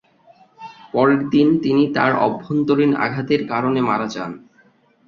পরের দিন তিনি তার অভ্যন্তরীণ আঘাতের কারণে মারা যান।